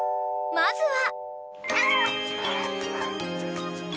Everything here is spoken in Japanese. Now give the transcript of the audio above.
［まずは］